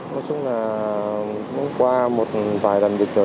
nói chung là qua một vài lần việc rồi